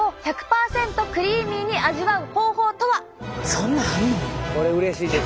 そんなんあんの？